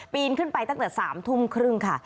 นขึ้นไปตั้งแต่๓ทุ่มครึ่งค่ะ